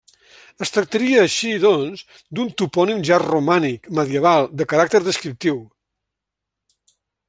Es tractaria, així, doncs, d'un topònim ja romànic, medieval, de caràcter descriptiu.